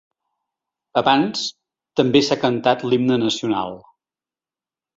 Abans, també s’ha cantat l’himne nacional.